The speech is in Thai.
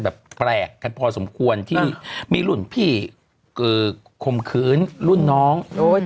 แบบแปลกกันพอสมควรที่มีรุ่นพี่คมคืนรุ่นน้อง